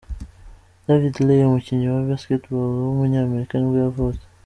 David Lee, umukinnyi wa basketball w’umunyamerika nibwo yavutse.